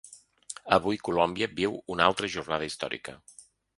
Avui Colòmbia viu una altra jornada històrica.